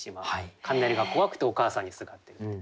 雷が怖くてお母さんにすがってるって。